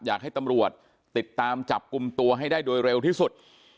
อยากให้ตำรวจติดตามจับกลุ่มตัวให้ได้โดยเร็วที่สุด